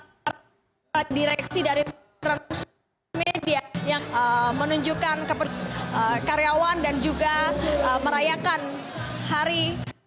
sebelum ini ada koleksi dari transmedia yang menunjukkan ke karyawan dan juga merayakan hari